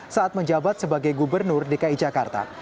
saat menjabat sebagai gubernur dki jakarta